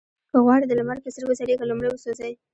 که غواړئ د لمر په څېر وځلېږئ لومړی وسوځئ.